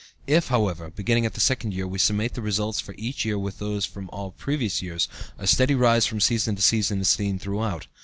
If, however, beginning at the second year, we summate the results for each year with those for all previous years, a steady rise from season to season is seen throughout.